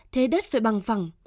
thế đất phải bằng phẳng